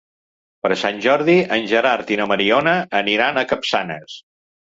Per Sant Jordi en Gerard i na Mariona aniran a Capçanes.